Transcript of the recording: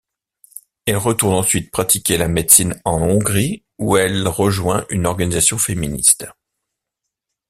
Elle retourne ensuite pratiquer la médecine en Hongrie où elle rejoint une organisation féministe.